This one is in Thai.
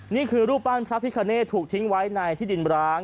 นี่คือรูปปั้นพระพิคเนตถูกทิ้งไว้ในที่ดินร้าง